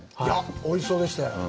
おいしそうでしたよ。